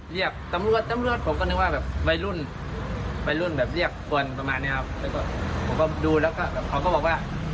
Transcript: เรียกตำรวจตำรวจผมก็นึกว่าแบบวัยรุ่นวัยรุ่นแบบเรียกคนประมาณเนี้ยครับแล้วก็ผมก็ดูแล้วก็แบบเขาก็บอกว่า